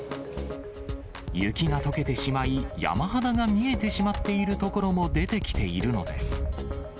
雪がとけてしまい、山肌が見えてしまっている所も出てきているのです。